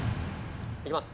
いきます。